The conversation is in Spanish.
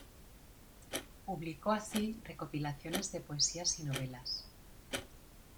Publicó así recopilaciones de poesías y novelas.